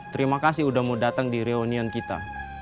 terima kasih sudah mau datang di reunion kita